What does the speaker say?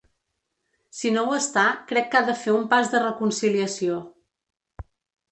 Si no ho està, crec que ha de fer un pas de reconciliació.